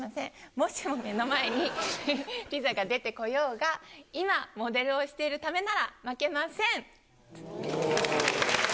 もしも目の前に、ピザが出てこようが、今、モデルをしているためなら負けません。